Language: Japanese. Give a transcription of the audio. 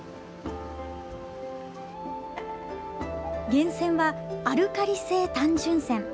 源泉は、アルカリ性単純泉。